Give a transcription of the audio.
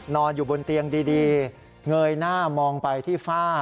นอนอยู่บนเตียงดีเงยหน้ามองไปที่ฝ้า